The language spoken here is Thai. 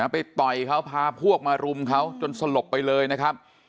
ไปต่อยเขาพาพวกมารุมเขาจนสลบไปเลยนะครับ